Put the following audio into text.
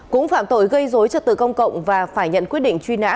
cũng phạm tội gây dối trật tự công cộng và phải nhận quyết định truy nã